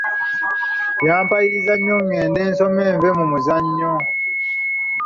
Yampaliriza nnyo ng'ende nsome, nve mumuzannyo.